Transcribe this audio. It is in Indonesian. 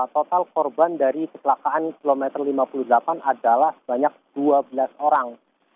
total korban dari kecelakaan km lima puluh delapan adalah sebanyak dua belas orang